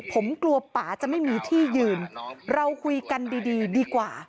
ผมกลัวป่าจะไม่มีที่ยืนเราคุยกันดีดีกว่า